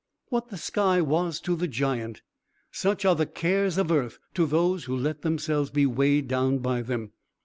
What the sky was to the giant, such are the cares of earth to those who let themselves be weighed down by them.